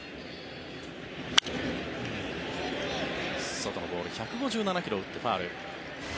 外のボール１５７ｋｍを打ってファウル。